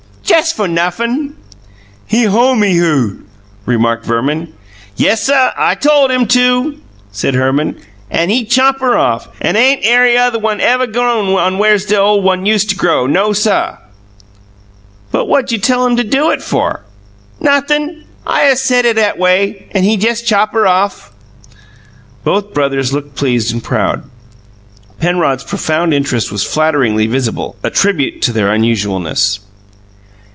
"Jes' fo' nothin'." "He hoe me hoo," remarked Verman. "Yessuh, I tole him to," said Herman, "an' he chop 'er off, an' ey ain't airy oth' one evuh grown on wheres de ole one use to grow. Nosuh!" "But what'd you tell him to do it for?" "Nothin'. I 'es' said it 'at way an' he jes' chop er off!" Both brothers looked pleased and proud. Penrod's profound interest was flatteringly visible, a tribute to their unusualness.